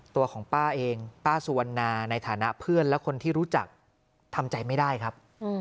ตัวของป้าเองป้าสุวรรณาในฐานะเพื่อนและคนที่รู้จักทำใจไม่ได้ครับ